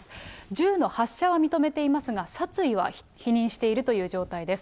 銃の発射は認めていますが、殺意は否認しているという状態です。